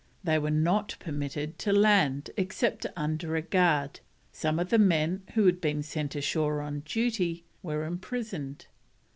They were not permitted to land except under a guard; some of the men who had been sent ashore on duty were imprisoned.